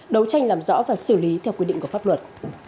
đấu tranh làm rõ và xử lý theo quy định của pháp luật